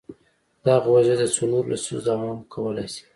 دغه وضعیت د څو نورو لسیزو دوام کولای شي.